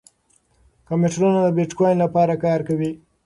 کمپیوټرونه د بېټکوین لپاره کار کوي.